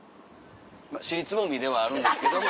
尻すぼみではあるんですけど。